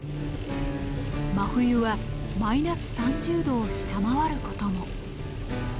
真冬はマイナス３０℃を下回ることも。